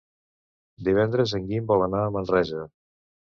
Divendres en Guim vol anar a Manresa.